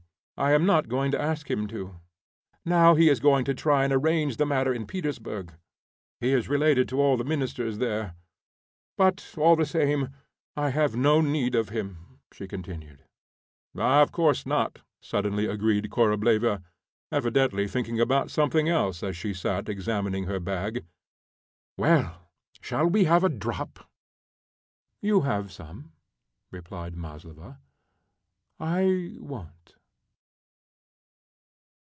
I am not going to ask him to. Now he is going to try and arrange the matter in Petersburg. He is related to all the Ministers there. But, all the same, I have no need of him," she continued. "Of course not," suddenly agreed Korableva, evidently thinking about something else as she sat examining her bag. "Well, shall we have a drop?" "You have some," replied Maslova. "I won't."